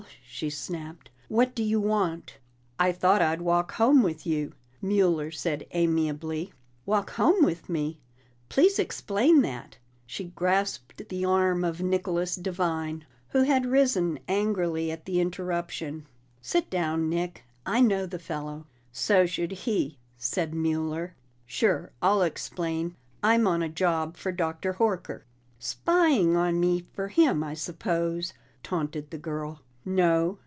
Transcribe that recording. she snapped. "What do you want?" "I thought I'd walk home with you," Mueller said amiably. "Walk home with me! Please explain that!" She grasped the arm of Nicholas Devine, who had risen angrily at the interruption. "Sit down, Nick, I know the fellow." "So should he," said Mueller. "Sure; I'll explain. I'm on a job for Dr. Horker." "Spying on me for him, I suppose!" taunted the girl. "No.